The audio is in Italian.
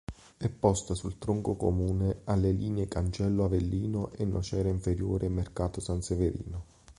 È posta sul tronco comune alle linee Cancello-Avellino e Nocera Inferiore-Mercato San Severino.